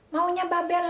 maunya babel lu kan